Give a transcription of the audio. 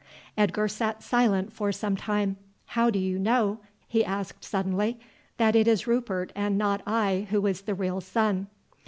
Edgar sat silent for some time. "How do you know," he asked suddenly, "that it is Rupert and not I who is the real son?"